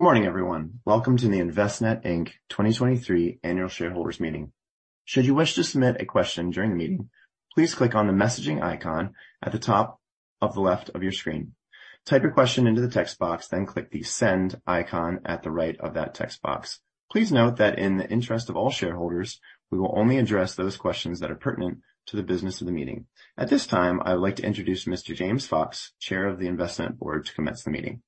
Good morning, everyone. Welcome to the Envestnet, Inc. 2023 Annual Shareholders Meeting. Should you wish to submit a question during the meeting, please click on the messaging icon at the top of the left of your screen. Type your question into the text box, then click the send icon at the right of that text box. Please note that in the interest of all shareholders, we will only address those questions that are pertinent to the business of the meeting. At this time, I would like to introduce Mr. James Fox, Chair of the Envestnet Board, to commence the meeting.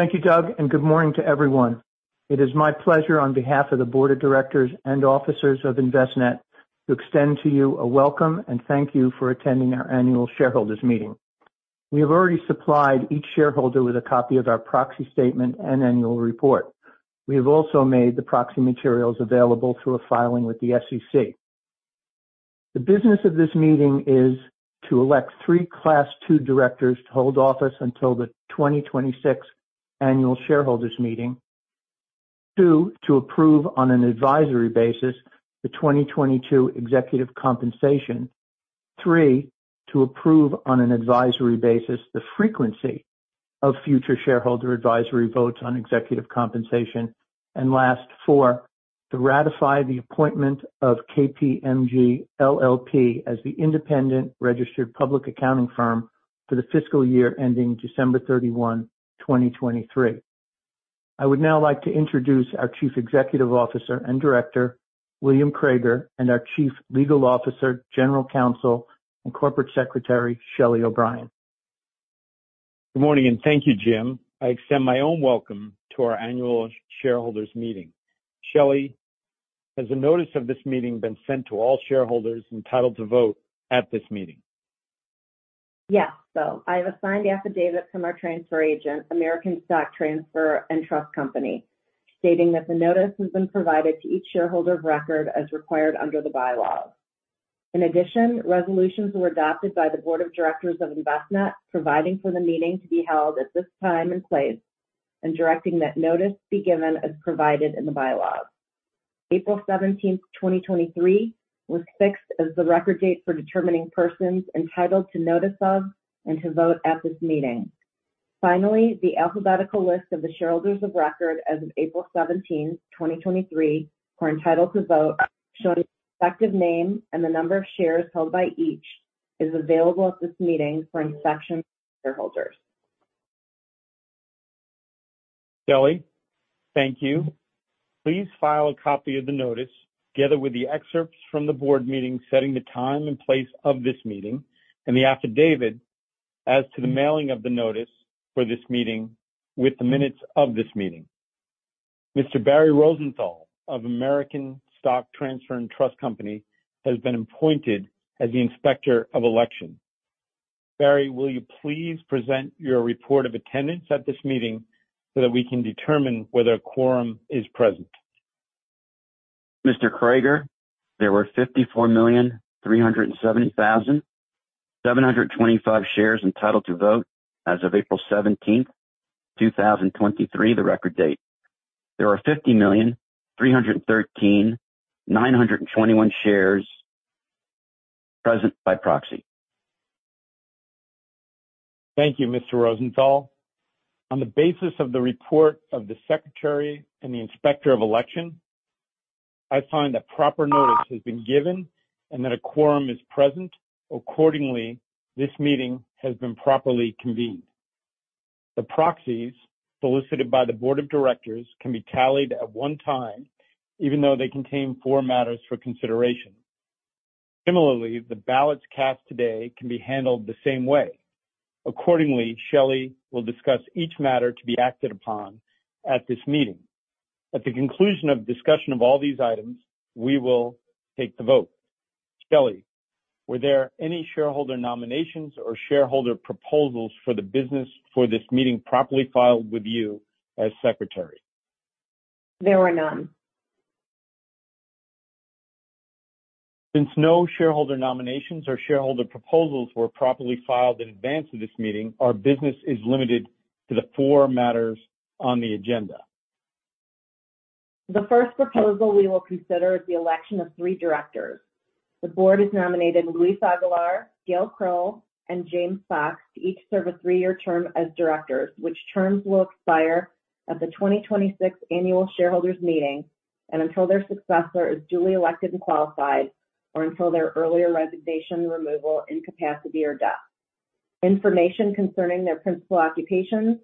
Thank you, Doug, and good morning to everyone. It is my pleasure, on behalf of the board of directors and officers of Envestnet, to extend to you a welcome and thank you for attending our annual shareholders meeting. We have already supplied each shareholder with a copy of our proxy statement and annual report. We have also made the proxy materials available through a filing with the SEC. The business of this meeting is: to elect 3 Class 2 directors to hold office until the 2026 annual shareholders meeting. 2, to approve on an advisory basis the 2022 executive compensation. 3, to approve on an advisory basis the frequency of future shareholder advisory votes on executive compensation. Last, 4, to ratify the appointment of KPMG LLP as the independent registered public accounting firm for the fiscal year ending December 31, 2023. I would now like to introduce our Chief Executive Officer and Director, William Crager, and our Chief Legal Officer, General Counsel, and Corporate Secretary, Shelly O'Brien. Good morning. Thank you, Jim. I extend my own welcome to our annual shareholders meeting. Shelly, has a notice of this meeting been sent to all shareholders entitled to vote at this meeting? Yes, I have a signed affidavit from our transfer agent, American Stock Transfer & Trust Company, stating that the notice has been provided to each shareholder of record as required under the bylaws. In addition, resolutions were adopted by the board of directors of Envestnet, providing for the meeting to be held at this time and place, and directing that notice be given as provided in the bylaws. April 17th, 2023, was fixed as the record date for determining persons entitled to notice of and to vote at this meeting. Finally, the alphabetical list of the shareholders of record as of April 17th, 2023, who are entitled to vote, showing respective name and the number of shares held by each, is available at this meeting for inspection by shareholders. Shelley, thank you. Please file a copy of the notice, together with the excerpts from the board meeting, setting the time and place of this meeting, and the affidavit as to the mailing of the notice for this meeting, with the minutes of this meeting. Mr. Barry Rosenthal of American Stock Transfer & Trust Company has been appointed as the Inspector of Election. Barry, will you please present your report of attendance at this meeting so that we can determine whether a quorum is present? Mr. Crager, there were 54,370,725 shares entitled to vote as of April 17th, 2023, the record date. There are 50,313,921 shares present by proxy. Thank you, Mr. Rosenthal. On the basis of the report of the Secretary and the Inspector of Election, I find that proper notice has been given and that a quorum is present. Accordingly, this meeting has been properly convened. The proxies solicited by the board of directors can be tallied at one time, even though they contain four matters for consideration. Similarly, the ballots cast today can be handled the same way. Accordingly, Shelley will discuss each matter to be acted upon at this meeting. At the conclusion of discussion of all these items, we will take the vote. Shelley, were there any shareholder nominations or shareholder proposals for the business for this meeting properly filed with you as Secretary? There were none. Since no shareholder nominations or shareholder proposals were properly filed in advance of this meeting, our business is limited to the four matters on the agenda. The first proposal we will consider is the election of three directors. The board has nominated Luis Aguilar, Gayle Crowell, and James Fox to each serve a three-year term as directors, which terms will expire at the 2026 annual shareholders meeting, and until their successor is duly elected and qualified, or until their earlier resignation, removal, incapacity, or death. Information concerning their principal occupations,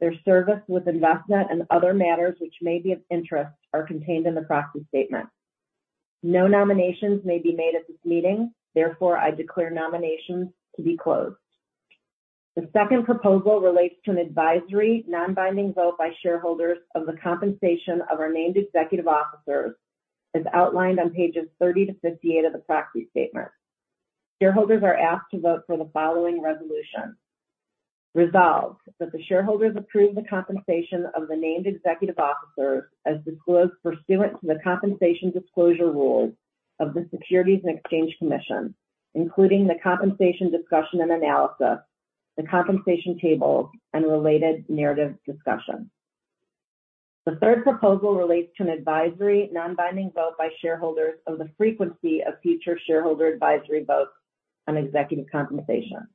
their service with Envestnet, and other matters which may be of interest, are contained in the proxy statement. No nominations may be made at this meeting; therefore, I declare nominations to be closed. The second proposal relates to an advisory, non-binding vote by shareholders of the compensation of our named executive officers, as outlined on pages 30 to 58 of the proxy statement. Shareholders are asked to vote for the following resolution: Resolved, that the shareholders approve the compensation of the named executive officers as disclosed pursuant to the Compensation Disclosure Rules of the Securities and Exchange Commission, including the compensation discussion and analysis, the compensation tables, and related narrative discussion.... The third proposal relates to an advisory non-binding vote by shareholders of the frequency of future shareholder advisory votes on executive compensation.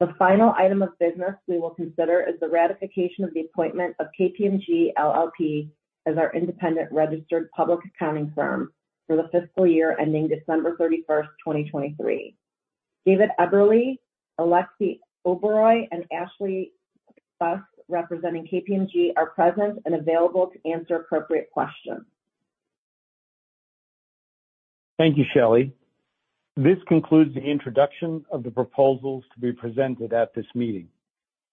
The final item of business we will consider is the ratification of the appointment of KPMG LLP as our independent registered public accounting firm for the fiscal year ending December 31, 2023. David Eberly, Alexy Oberoi, and Ashley Buss, representing KPMG, are present and available to answer appropriate questions. Thank you, Shelly. This concludes the introduction of the proposals to be presented at this meeting.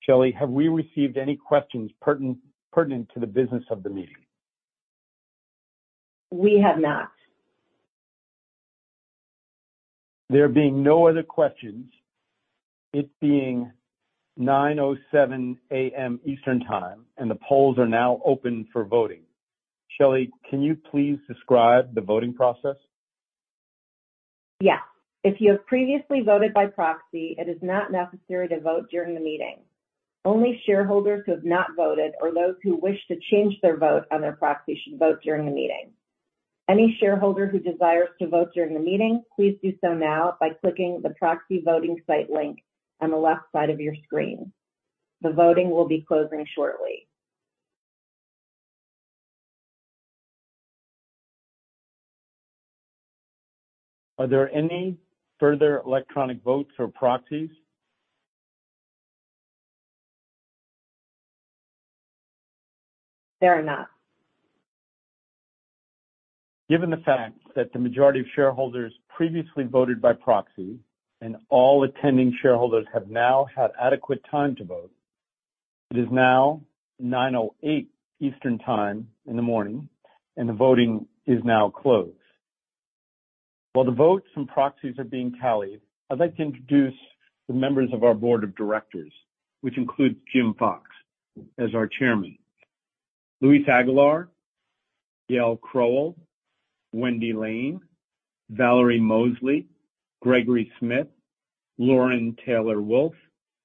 Shelly, have we received any questions pertinent to the business of the meeting? We have not. There being no other questions, it being 9:07 A.M. Eastern Time. The polls are now open for voting. Shelly, can you please describe the voting process? Yes. If you have previously voted by proxy, it is not necessary to vote during the meeting. Only shareholders who have not voted or those who wish to change their vote on their proxy should vote during the meeting. Any shareholder who desires to vote during the meeting, please do so now by clicking the proxy voting site link on the left side of your screen. The voting will be closing shortly. Are there any further electronic votes or proxies? There are not. Given the fact that the majority of shareholders previously voted by proxy, and all attending shareholders have now had adequate time to vote, it is now 9:08 A.M. Eastern Time in the morning, the voting is now closed. While the votes and proxies are being tallied, I'd like to introduce the members of our Board of Directors, which includes Jim Fox as our Chairman, Luis Aguilar, Gayle Crowell, Wendy Lane, Valerie Mosley, Gregory Smith, Lauren Taylor Wolfe,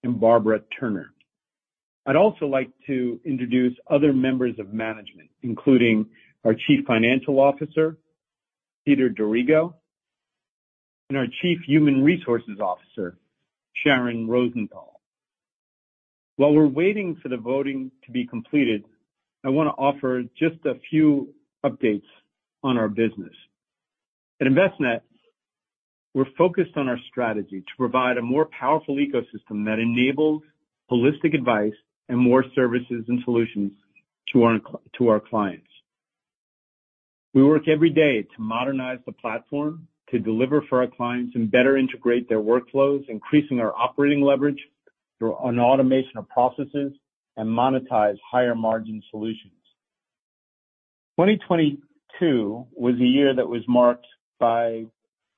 and Barbara Turner. I'd also like to introduce other members of management, including our Chief Financial Officer, Peter H. D'Arrigo, and our Chief Human Resources Officer, Sharon Rosenthal. While we're waiting for the voting to be completed, I want to offer just a few updates on our business. At Envestnet, we're focused on our strategy to provide a more powerful ecosystem that enables holistic advice and more services and solutions to our clients. We work every day to modernize the platform, to deliver for our clients, and better integrate their workflows, increasing our operating leverage through an automation of processes and monetize higher margin solutions. 2022 was a year that was marked by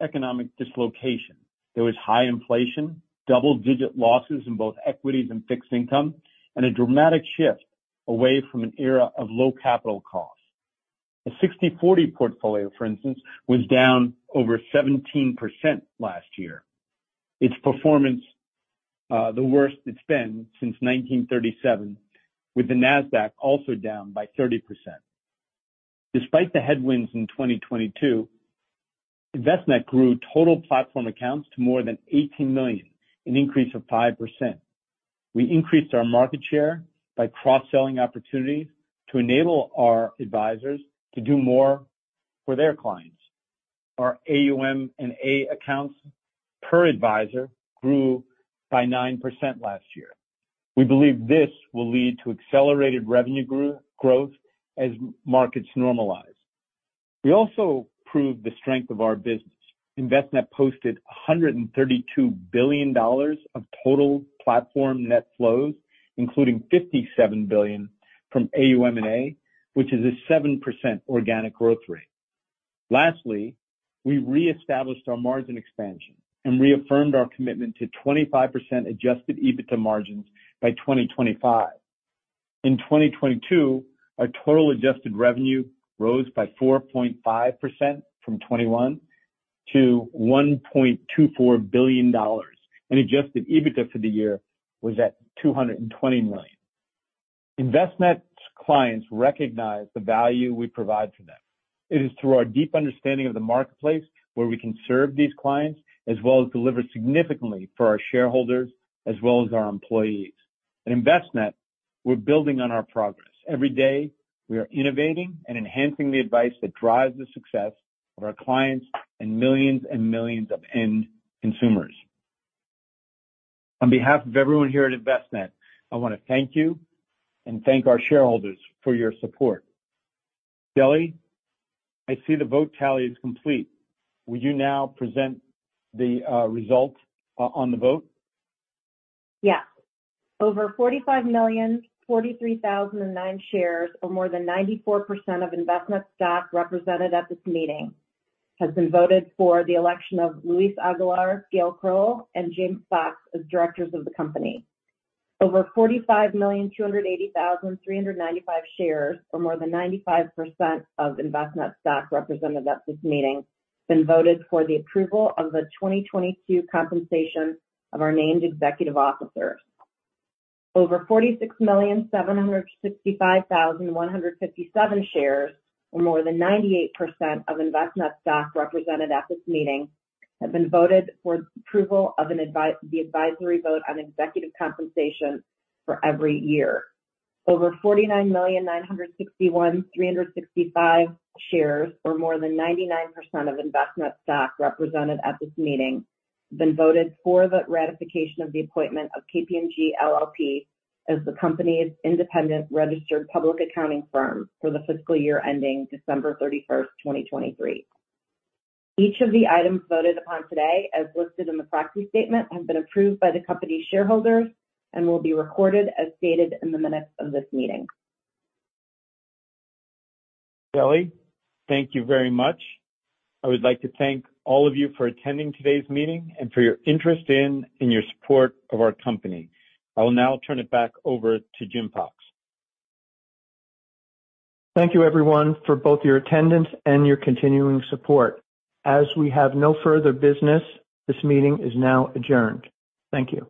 economic dislocation. There was high inflation, double-digit losses in both equities and fixed income, and a dramatic shift away from an era of low capital costs. A 60/40 portfolio, for instance, was down over 17% last year. Its performance, the worst it's been since 1937, with the Nasdaq also down by 30%. Despite the headwinds in 2022, Envestnet grew total platform accounts to more than 18 million, an increase of 5%. We increased our market share by cross-selling opportunities to enable our advisors to do more for their clients. Our AUM and A accounts per advisor grew by 9% last year. We believe this will lead to accelerated revenue growth as markets normalize. We proved the strength of our business. Envestnet posted $132 billion of total platform net flows, including $57 billion from AUM&A, which is a 7% organic growth rate. We reestablished our margin expansion and reaffirmed our commitment to 25% adjusted EBITDA margins by 2025. Our total adjusted revenue rose by 4.5% from 2021 to $1.24 billion, and adjusted EBITDA for the year was at $220 million. Envestnet's clients recognize the value we provide to them. It is through our deep understanding of the marketplace, where we can serve these clients, as well as deliver significantly for our shareholders, as well as our employees. At Envestnet, we're building on our progress. Every day, we are innovating and enhancing the advice that drives the success of our clients and millions and millions of end consumers. On behalf of everyone here at Envestnet, I want to thank you and thank our shareholders for your support. Shelly, I see the vote tally is complete. Will you now present the results on the vote? Yes. Over 45,043,009 shares, or more than 94% of Envestnet stock represented at this meeting, has been voted for the election of Luis Aguilar, Gayle Crowell, and James Fox as directors of the company. Over 45,280,395 shares, or more than 95% of Envestnet's stock represented at this meeting, have been voted for the approval of the 2022 compensation of our named executive officers. Over 46,765,157 shares, or more than 98% of Envestnet stock represented at this meeting, have been voted for approval of the advisory vote on executive compensation for every year. Over 49,961,365 shares, or more than 99% of Envestnet stock represented at this meeting, have been voted for the ratification of the appointment of KPMG LLP as the company's independent registered public accounting firm for the fiscal year ending December 31, 2023. Each of the items voted upon today, as listed in the proxy statement, have been approved by the company's shareholders and will be recorded as stated in the minutes of this meeting. Shelly, thank you very much. I would like to thank all of you for attending today's meeting and for your interest in, and your support of our company. I will now turn it back over to Jim Fox. Thank you everyone for both your attendance and your continuing support. As we have no further business, this meeting is now adjourned. Thank you.